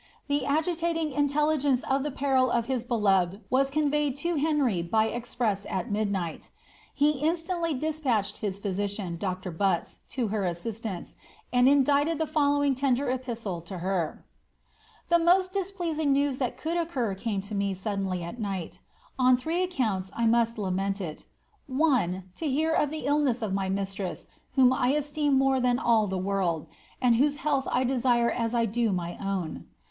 The agitating intelligence of the peril of his beloved was con Teyed to Henry by express at midnight He instantly despatched his phpician, Dr. Butts, to her assistance, and indited the following tender epif de to her :— The most displeasing news that could occur came to me suddenly at night. Od three accounts 1 must lament it One, to hear of the illness of my mistress, whom I esteem more than all tlie world, and whose health I desire as I do my own.